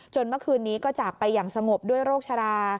เมื่อคืนนี้ก็จากไปอย่างสงบด้วยโรคชรา